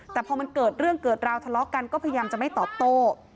แต่พอมันเกิดเรื่องเกิดราวทะเลาะกันก็พยายามจะไม่ตอบโต้